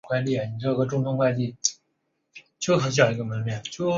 乡札是以汉字记录朝鲜语的方法之一。